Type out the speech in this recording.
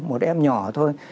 một em nhỏ thôi